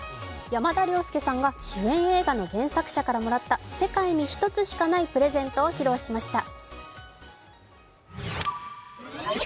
山田涼介さんが主演映画の原作者からもらった世界に１つしかないプレゼントを披露しました。